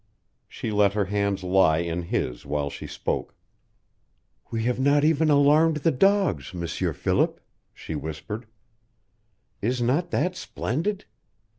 She let her hands lie in his while she spoke. "We have not even alarmed the dogs, M'sieur Philip," she whispered. "Is not that splendid?